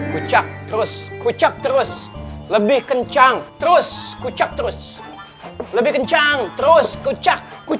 kucak terus kucak terus lebih kencang terus kucak terus lebih kencang terus